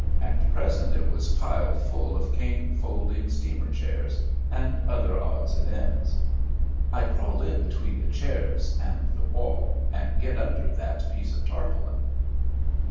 At present it was piled full of cane folding steamer chairs and other odds and ends. "I crawl in between the chairs and the wall and get under that piece of tarpaulin."